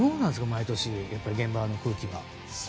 毎年現場の空気は。